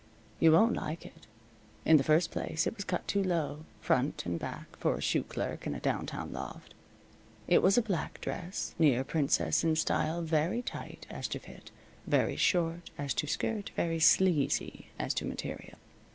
You won't like it. In the first place, it was cut too low, front and back, for a shoe clerk in a downtown loft. It was a black dress, near princess in style, very tight as to fit, very short as to skirt, very sleazy as to material.